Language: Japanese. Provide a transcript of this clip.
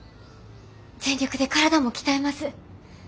全力で体も鍛えます。